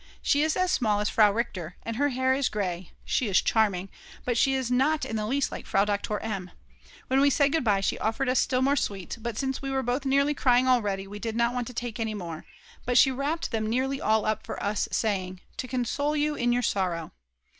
She is as small as Frau Richter, and her hair is grey, she is charming; but she is not in the least like Frau Doktor M. When we said goodbye she offered us still more sweets, but since we were both nearly crying already we did not want to take any more, but she wrapped them nearly all up for us, saying: "To console you in your sorrow."